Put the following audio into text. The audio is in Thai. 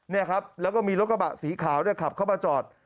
เนี่ยครับแล้วก็มีรถกระบะสีขาวเนี่ยขับเข้ามาจอด